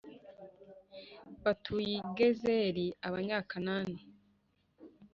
batuye i Gezeri Abanyakanani